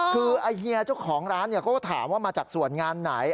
คือเฮียเจ้าของร้านเขาก็ถามว่ามาจากส่วนงานไหน